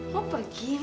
mau pergi mau ke mana